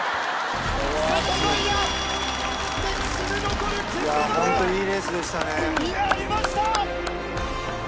瀬戸大也歴史に残る金メダル！やりました！